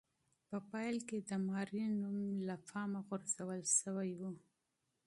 په پیل کې د ماري نوم له پامه غورځول شوی و.